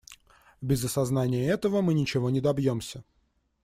Без осознания этого мы ничего не добьемся.